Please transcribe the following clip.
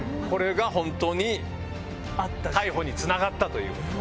これが本当に逮捕につながったという。